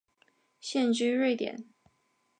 现居瑞典。